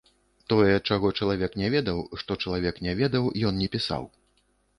Тое, чаго чалавек не ведаў, што чалавек не ведаў, ён не пісаў.